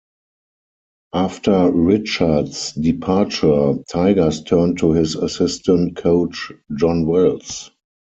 After Richards' departure Tigers turned to his assistant coach John Wells.